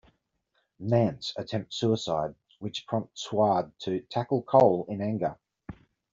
Nance attempts suicide, which prompts Huard to tackle Cole in anger.